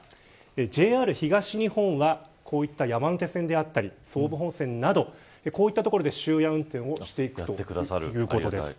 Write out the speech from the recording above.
ＪＲ東日本は、こういった山手線総武本線などこういったところで終夜運転をしていくということです。